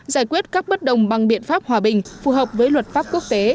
giải quyết các bất đồng bằng biện pháp hòa bình phù hợp với luật pháp quốc tế